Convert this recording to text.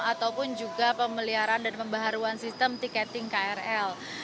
ataupun juga pemeliharaan dan pembaharuan sistem tiketing krl